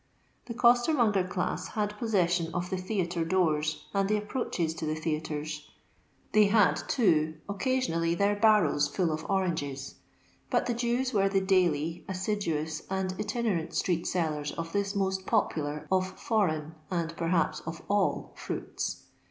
The costermonger class had possession of the theatre doors and the approaches to the theatres ; they had, too, occasionaJly their barrows full of oranges ; but ue Jews were the daily, as siduous, and itinerant itreet sellers of this most popular of foreign, and perhaps of all, fruits.